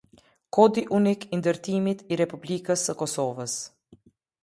Kodi Unik i Ndërtimit i Republikës së Kosovës.